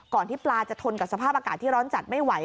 ที่ปลาจะทนกับสภาพอากาศที่ร้อนจัดไม่ไหว